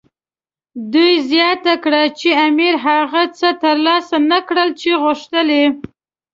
دوی زیاته کړه چې امیر هغه څه ترلاسه نه کړل چې غوښتل یې.